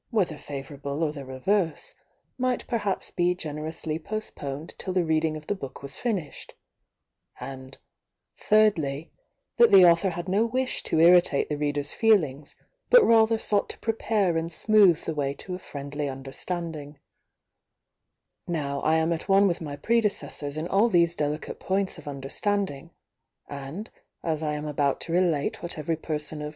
whether favourable or the reverse, might perhaps be ^nerously postponed till the reading of^ZTook was finished, and thirdly, that the Author had no wish to irritate the Reader's feeUngs but rathe? sought to prepare and smooth the way to a frSy understanding Now I am at one with my pS ce^ors m all these delicate points of understeS^ and as I am about to relate what every person of